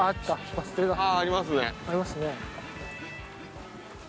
ありますね。